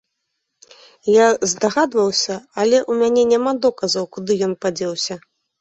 Я здагадваюся, але ў мяне няма доказаў, куды ён падзеўся.